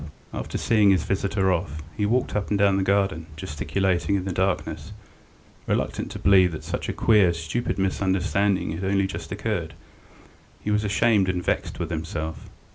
..." After seeing his visitor off, he walked up and down the garden, gesticulating in the darkness, reluctant to believe that such a queer, stupid misunderstanding had only just occurred. He was ashamed and vexed with himself.